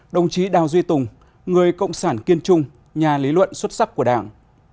đồng chí đào duy tùng người cộng sản kiên trung nhà lý luận xuất sắc của đảng